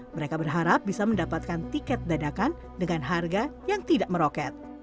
mereka berharap bisa mendapatkan tiket dadakan dengan harga yang tidak meroket